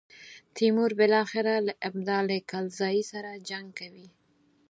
تیمور بالاخره له ابدال کلزايي سره جنګ کوي.